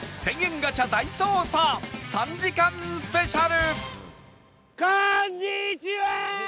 ガチャ大捜査３時間スペシャル！